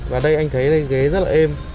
và đây anh thấy ghế rất là êm